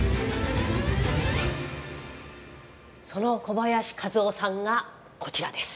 その小林和男さんがこちらです。